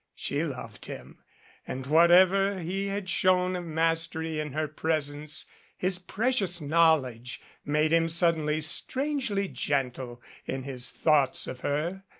She loved him. And, whatever he had shown of mastery in her presence, his precious knowl edge made him suddenly strangely gentle in his thoughts of her.